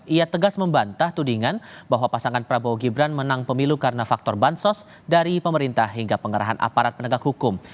ia tegas membantah tudingan bahwa pasangan prabowo gibran menang pemilu karena faktor bansos dari pemerintah hingga pengerahan aparat penegak hukum